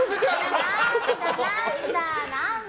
何だ、何だ。